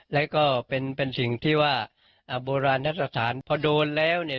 แล้วก็เป็นเป็นสิ่งที่ว่าอ่าโบราณทัศนพอโดนแล้วเนี้ย